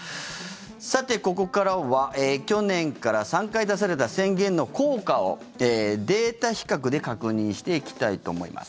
さて、ここからは去年から３回出された宣言の効果をデータ比較で確認していきたいと思います。